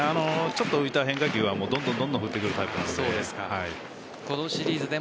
ちょっと浮いた変化球はどんどん振ってくるタイプなので。